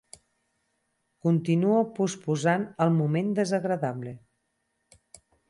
Continua posposant el moment desagradable.